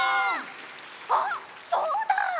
あっそうだ！